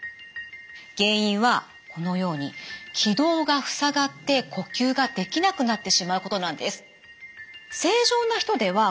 原因はこのように気道がふさがって呼吸ができなくなってしまうことなんです。